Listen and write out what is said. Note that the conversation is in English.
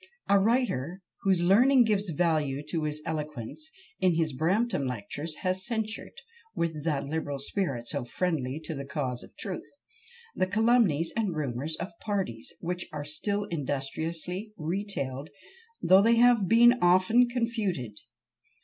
A writer, whose learning gives value to his eloquence, in his Bampton Lectures has censured, with that liberal spirit so friendly to the cause of truth, the calumnies and rumours of parties, which are still industriously retailed, though they have been often confuted.